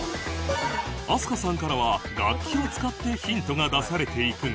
飛鳥さんからは楽器を使ってヒントが出されていくが